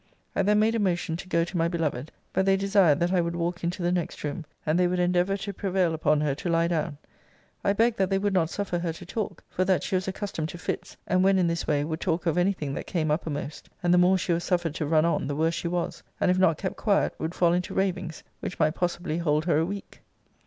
I then made a motion to go to my beloved. But they desired that I would walk into the next room; and they would endeavour to prevail upon her to lie down. I begged that they would not suffer her to talk; for that she was accustomed to fits, and, when in this way, would talk of any thing that came uppermost: and the more she was suffered to run on, the worse she was; and if not kept quiet, would fall into ravings: which might possibly hold her a week.